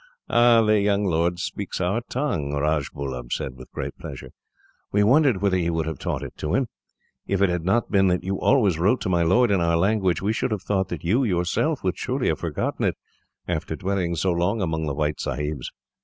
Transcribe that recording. "Ah! The young lord speaks our tongue," Rajbullub said, with great pleasure. "We wondered whether you would have taught it to him. If it had not been that you always wrote to my lord in our language, we should have thought that you, yourself, would surely have forgotten it, after dwelling so long among the white sahibs."